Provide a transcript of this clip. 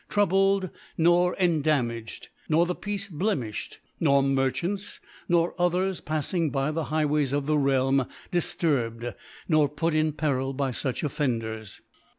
troubled nor en * damaged, nor the Peace blemiJfhed, nor * Merchants nor others pafling by the High * ways of the Realm difturbed, nor put in * Peril by foch Oflfcnders.